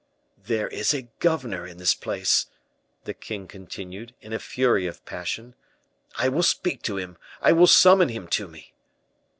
"There is a governor in this place," the king continued, in a fury of passion; "I will speak to him, I will summon him to me."